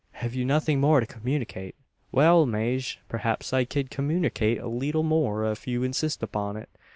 Have you nothing more to communicate?" "Wal, Maje, preehaps I ked communerkate a leetle more ef you insist upon it.